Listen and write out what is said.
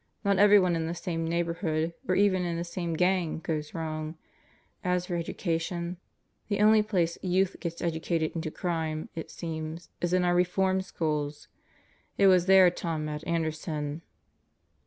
Not everyone in the same neighborhood, or even in the same gang, goes wrong. As for education ... the only place youth gets educated into crime, it seems, is in our Reform Schools. It was there Tom met Anderson.